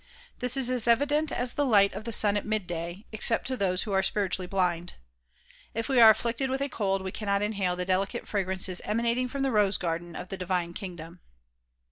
This is as evident as the light of the sun at midday except to those who are spiritually blind. If we are afflicted with a cold we cannot inhale the delicate fra grances emanating from the rose garden of the divine kingdom.